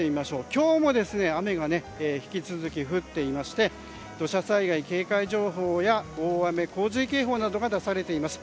今日も雨が引き続き振っていまして土砂災害警戒情報や大雨・洪水警報などが出されています。